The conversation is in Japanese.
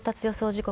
時刻